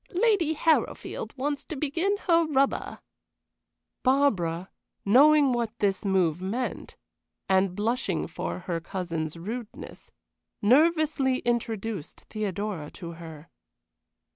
"Lady Harrowfield wants to begin her rubber." Barbara, knowing what this move meant, and blushing for her cousin's rudeness, nervously introduced Theodora to her.